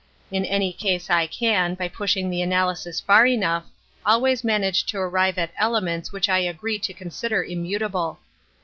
In any case I can, by pushing the analysis far enough, always manage to arrive at elements which I agree to consider immutable.